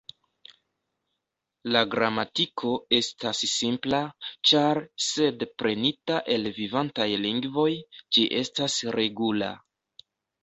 La gramatiko estas simpla, ĉar sed prenita el vivantaj lingvoj, ĝi estas regula.